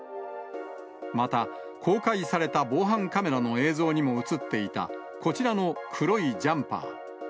また、公開された防犯カメラの映像にも写っていた、こちらの黒いジャンパー。